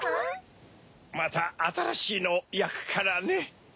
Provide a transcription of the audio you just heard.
またあたらしいのをやくからね。